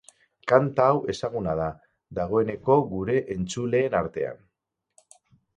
Kanta hau ezaguna da, dagoeneko, gure entzuleen artean.